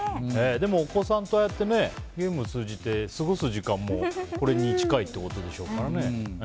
でもお子さんとああやってゲーム通じて過ごす時間もこれに近いってことでしょうから。